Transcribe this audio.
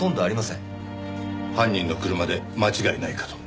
犯人の車で間違いないかと。